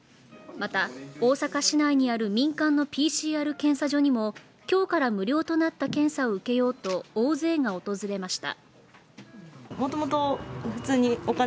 また、大阪市内にある民間のＰＣＲ検査所にも今日から無料となった検査を受けようと大勢が訪れました。